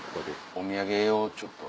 お土産をちょっと。